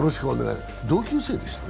同級生でしたっけ？